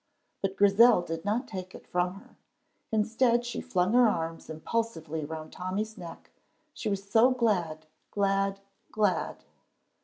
But Grizel did not take it from her. Instead, she flung her arms impulsively round Tommy's neck, she was so glad, glad, glad.